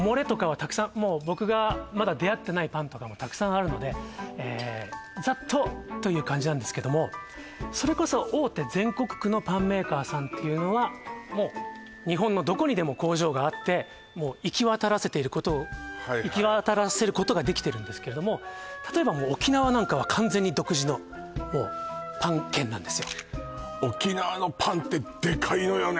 たくさん僕がまだ出会ってないパンとかもたくさんあるのでザッとという感じなんですけどもそれこそ大手全国区のパンメーカーさんっていうのはもう日本のどこにでも工場があって行き渡らせていることはいはい行き渡らせることができてるんですけれども例えば沖縄のパンってデカいのよね